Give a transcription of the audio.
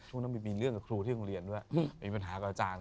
ก็มีเรื่องกับทราบอยู่ครัวในโรงเรียนด้วยมีปัญหาการอาจารย์